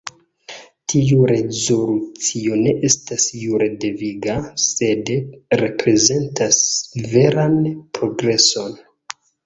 Tiu rezolucio ne estas jure deviga, sed reprezentas veran progreson.